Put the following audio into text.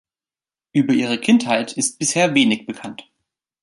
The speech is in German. Über ihre Kindheit ist bisher wenig bekannt.